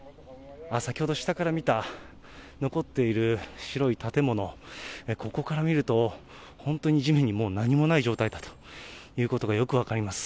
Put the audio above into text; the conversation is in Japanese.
先ほど下から見た、残っている白い建物、ここから見ると、本当に地面にもう何もない状態だということがよく分かります。